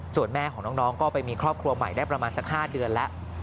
ส่วนแม่ของน้องก็ไปมีครอบครัวใหม่ได้ประมาณสัก๕เดือนแล้ว